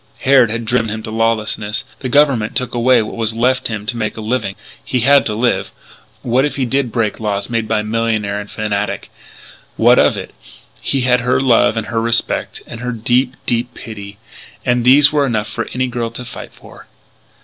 Harrod had driven him to lawlessness; the Government took away what was left him to make a living. He had to live. What if he did break laws made by millionaire and fanatic! What of it? He had her love and her respect and her deep, deep pity. And these were enough for any girl to fight for.